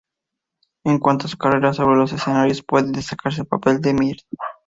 En cuanto a su carrera sobre los escenarios, puede destacarse el papel de "Mrs.